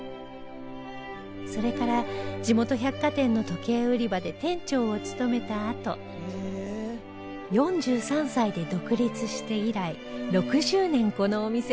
それから地元百貨店の時計売り場で店長を務めたあと４３歳で独立して以来６０年このお店を営んでいるのです